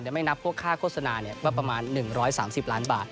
ยังไม่นับพวกค่าโฆษณาเนี่ยว่าประมาณ๑๓๐ล้านบาท